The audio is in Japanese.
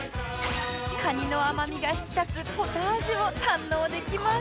カニの甘みが引き立つポタージュを堪能できます